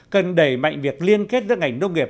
cần đẩy mạnh việc liên kết giữa ngành nông nghiệp